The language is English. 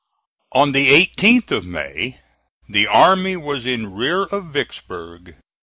On the 18th of May the army was in rear of Vicksburg.